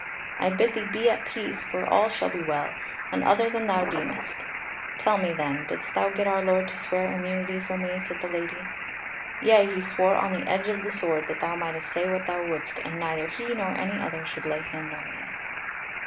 I bid thee be at peace, for all shall be well, and other than thou deemest. Tell me, then, didst thou get our Lord to swear immunity for me?" Said the Lady: "Yea, he swore on the edge of the sword that thou mightest say what thou wouldst, and neither he nor any other should lay hand on thee."